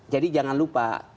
jadi jangan lupa